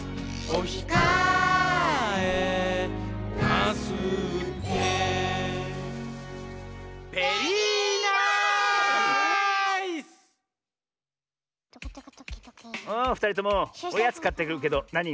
おふたりともおやつかってくるけどなにがいい？